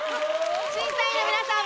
⁉審査員の皆さん